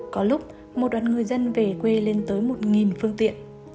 có lúc một đoàn người dân về quê lên tới một phương tiện